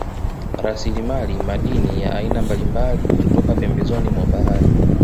Rasilimali madini ya aina mbalimbali kutoka pembezoni mwa bahari